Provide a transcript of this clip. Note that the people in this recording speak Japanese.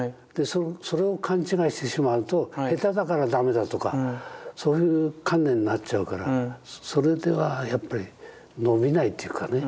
それを勘違いしてしまうと下手だから駄目だとかそういう観念になっちゃうからそれではやっぱり伸びないっていうかね。